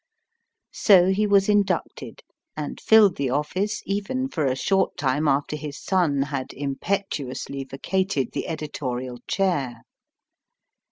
So he was inducted, and filled the office even for a short time after his son had impetuously vacated the editorial chair.